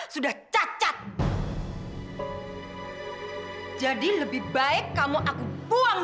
kalau itu pak bimang